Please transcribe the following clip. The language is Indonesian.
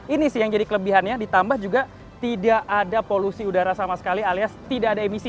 ini sih yang jadi kelebihannya ditambah juga tidak ada polusi udara sama sekali alias tidak ada emisi